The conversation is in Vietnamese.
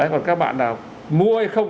còn các bạn mua hay không